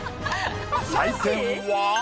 採点は。